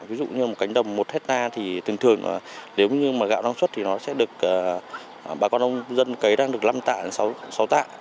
ví dụ như một cánh đồng một hectare thì thường thường nếu như gạo nông xuất thì nó sẽ được bà con nông dân cấy ra được năm tạ sáu tạ